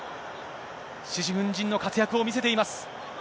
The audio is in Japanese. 獅子奮迅の活躍を見せています。